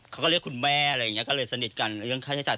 เขาก็เรียกคุณแม่อะไรอย่างนี้ก็เลยสนิทกันเรื่องค่าใช้จ่าย